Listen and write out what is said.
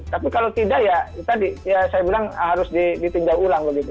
tapi kalau tidak ya saya bilang harus ditinggalkan ulang